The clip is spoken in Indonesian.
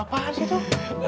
apaan sih itu